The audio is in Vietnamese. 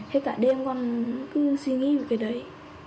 thế cả đêm con cứ suy nghĩ về cái đấy